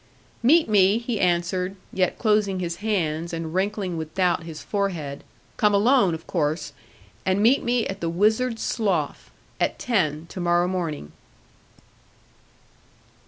'Meet me,' he answered, yet closing his hands, and wrinkling with doubt his forehead, 'come alone, of course; and meet me at the Wizard's Slough, at ten to morrow morning.'